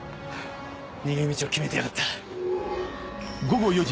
逃げ道を決めてやがった。